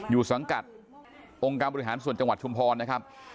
สังกัดองค์การบริหารส่วนจังหวัดชุมพรนะครับ